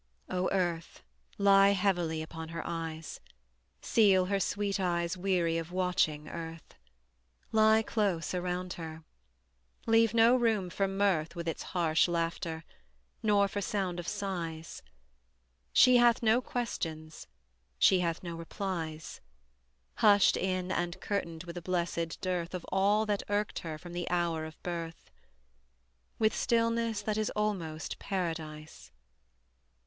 O Earth, lie heavily upon her eyes; Seal her sweet eyes weary of watching, Earth; Lie close around her; leave no room for mirth With its harsh laughter, nor for sound of sighs. She hath no questions, she hath no replies, Hushed in and curtained with a blessed dearth Of all that irked her from the hour of birth; With stillness that is almost Paradise.